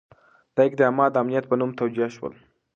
دا اقدامات د امنیت په نوم توجیه شول.